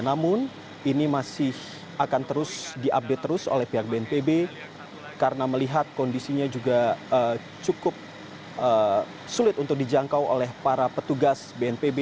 namun ini masih akan terus diupdate terus oleh pihak bnpb karena melihat kondisinya juga cukup sulit untuk dijangkau oleh para petugas bnpb